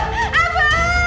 ampun ampun pak kiai